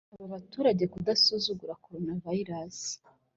asaba abaturage kudasuzugura coronavirus